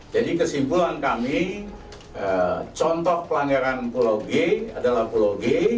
jadi kesimpulan kami contoh pelanggaran pulau g adalah pulau g